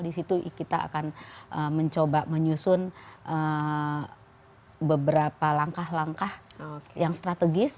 di situ kita akan mencoba menyusun beberapa langkah langkah yang strategis